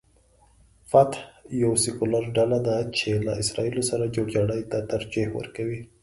فتح یوه سیکولر ډله ده چې له اسراییلو سره جوړجاړي ته ترجیح ورکوي.